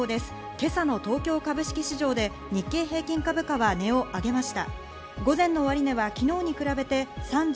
今朝の東京株式市場で日経平均株価は値を上げました。